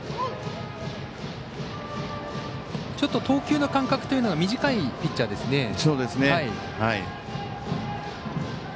投球の間隔というのが短いピッチャーですね。